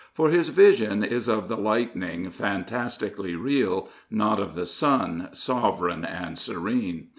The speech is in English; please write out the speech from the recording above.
For his vision is of the lightning, fantastically real; not of the sun, sovereign and serene.